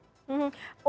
thank you ms susan